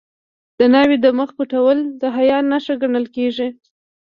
د ناوې د مخ پټول د حیا نښه ګڼل کیږي.